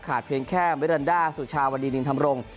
ขาดเพลงแข้มวิรันดาสุชาววรรดินินธรรมรงค์